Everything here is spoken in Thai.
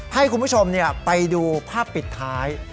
ให้คุณผู้ชมไปดูภาพปิดท้าย